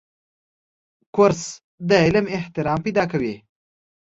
کورس د علم احترام پیدا کوي.